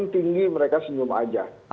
tinggi mereka senyum aja